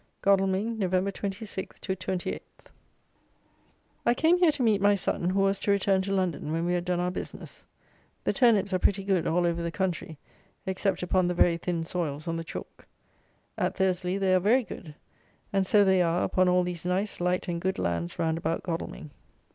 Godalming, November 26 to 28. I came here to meet my son, who was to return to London when we had done our business. The turnips are pretty good all over the country, except upon the very thin soils on the chalk. At Thursley they are very good, and so they are upon all these nice light and good lands round about Godalming.